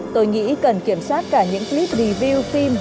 tôi nghĩ cần kiểm soát cả những clip review phim